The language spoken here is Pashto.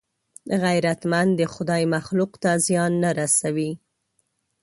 غیرتمند د خدای مخلوق ته زیان نه رسوي